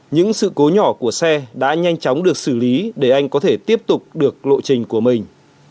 những sự cố nhỏ của xe đã nhanh chóng được xử lý để anh có thể tiếp tục được lộ trình của mình